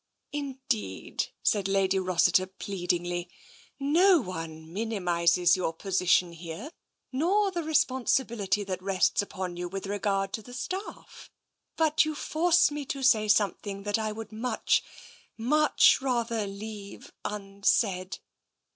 " Indeed," said Lady Rossiter pleadingly, " no one minimises your position here, nor the responsibility that rests upon you with regard to the staff. But you force me to say something that I would much, much rather leave unsaid."